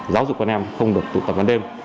giáo dục con em không được tụ tập ban đêm